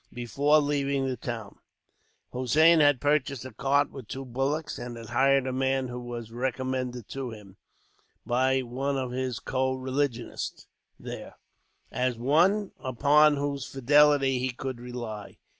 Before leaving the town, Hossein had purchased a cart with two bullocks; and had hired a man who was recommended to him, by one of his co religionists there, as one upon whose fidelity he could rely.